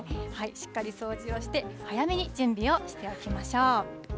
しっかり掃除をして、早めに準備をしておきましょう。